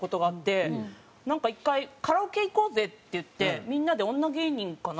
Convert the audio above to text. なんか１回カラオケ行こうぜっていってみんなで女芸人かな？